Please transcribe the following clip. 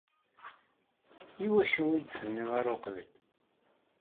Iwacu ur yi-d-tenniḍ ara uqbel?